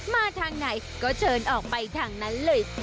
มาทางไหนก็เชิญออกไปทางนั้นเลย